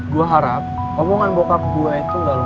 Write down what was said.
gua harap omongan bokap gua itu nggak lupa